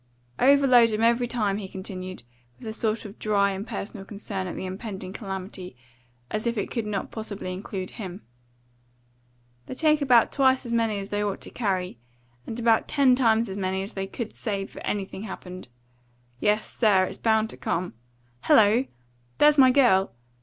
"Overload 'em every time," he continued, with a sort of dry, impersonal concern at the impending calamity, as if it could not possibly include him. "They take about twice as many as they ought to carry, and about ten times as many as they could save if anything happened. Yes, sir, it's bound to come. Hello! There's my girl!"